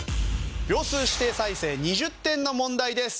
秒数指定再生２０点の問題です。